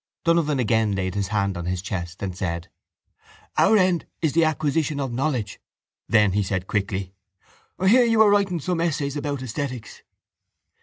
Donovan again laid his hand on his chest and said: —Our end is the acquisition of knowledge. Then he said quickly: —I hear you are writing some essays about esthetics.